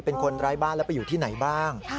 เป็นคนร้ายบ้านแล้วไปอยู่ที่ไหนบ้าง